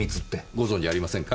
ご存じありませんか？